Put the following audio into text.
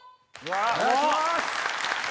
お願いします！